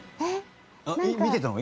見てたの？